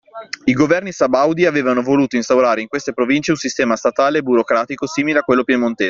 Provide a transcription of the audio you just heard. I governi sabaudi avevano voluto instaurare in queste province un sistema statale e burocratico simile a quello piemontese.